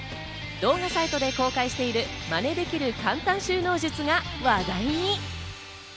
動画サイトで公開しているマネできる簡単収納術が話題に。